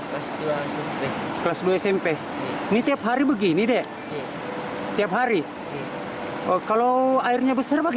kedua kesukuan forst nada yang seni pasangnya terberat dari dua plaster ke ombel se mainstream state